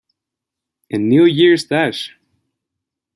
En "New Year’s Dash!!